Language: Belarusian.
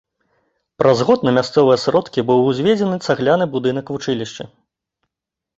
Праз год на мясцовыя сродкі быў узведзены цагляны будынак вучылішча.